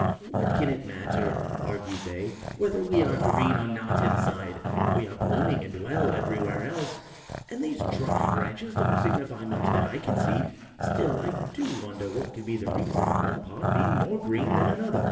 "What can it matter," argued they, "whether we are green or not, inside? We are blooming and well everywhere else, and these dry branches don't signify much that I can see. Still, I do wonder what can be the reason of one part being more green than another."